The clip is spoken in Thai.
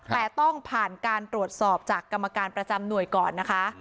แต่ต้องผ่านการตรวจสอบจากกรรมการประจำหน่วยก่อนนะคะ